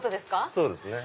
そうですね。